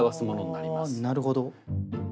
あなるほど。